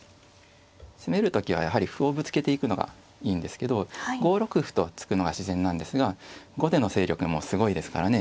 攻める時はやはり歩をぶつけていくのがいいんですけど５六歩と突くのが自然なんですが後手の勢力もすごいですからね。